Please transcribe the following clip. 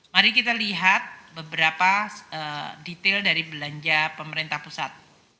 mari kita lihat beberapa detail dari belanja pemerintah pusat